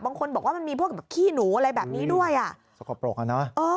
บางคนบอกว่ามันมีพวกแบบขี้หนูอะไรแบบนี้ด้วยอ่ะสกปรกอ่ะเนอะ